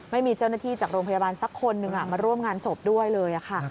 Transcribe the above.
ไม่มีเจ้าหน้าที่จากโรงพยาบาลสักคนหนึ่งมาร่วมงานศพด้วยเลยค่ะ